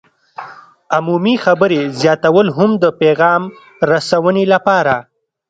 عمومي خبرې زیاتول هم د پیغام رسونې لپاره